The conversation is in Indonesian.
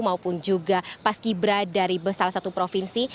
maupun juga pas kiprah dari salah satu provinsi